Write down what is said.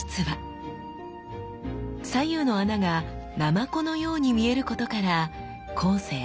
左右の穴が海鼠のように見えることから後世